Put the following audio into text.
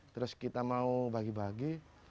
terus kita mau bagi bagi